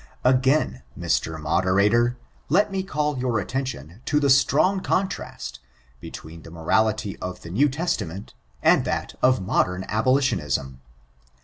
Again, Mr. Modei*ator, let me call your attention to the strong contrast, between the morality of the New Testa ment, and that of modem abolitionism.